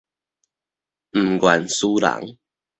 毋願輸人